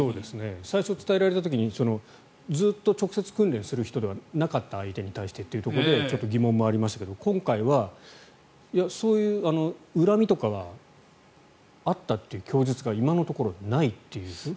最初伝えられた時にずっと直接訓練をする相手ではなかった人に対してちょっと疑問もありましたが今回はそういう恨みとかはあったという供述が今のところないっていう。